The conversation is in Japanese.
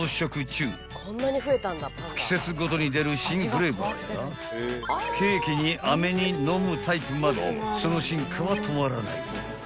［季節ごとに出る新フレーバーやケーキにあめに飲むタイプまでその進化は止まらない］